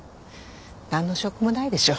なんの証拠もないでしょ。